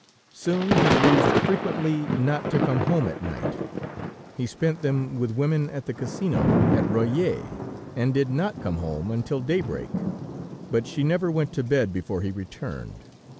Soon he used frequently not to come home at night; he spent them with women at the casino at Royat, and did not come home until daybreak. But she never went to bed before he returned.